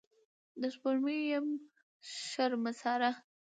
د سپوږمۍ یم شرمساره